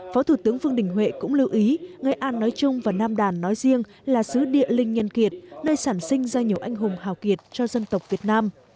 phó thủ tướng vương đình huệ cũng lưu ý nghệ an nói chung và nam đàn nói riêng là sứ địa linh nhân kiệt nơi sản sinh ra nhiều anh hùng hào kiệt cho dân tộc việt nam